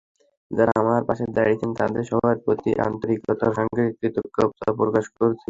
যাঁরা আমার পাশে দাঁড়িয়েছেন, তাঁদের সবার প্রতি আন্তরিকতার সঙ্গে কৃতজ্ঞতা প্রকাশ করছি।